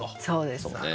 そうです。